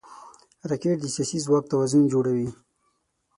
راکټ د سیاسي ځواک توازن جوړوي